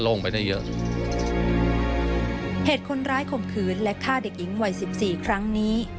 เหตุคนร้ายข่มขืนและฆ่าเด็กหญิงวัยสิบสี่ครั้งนี้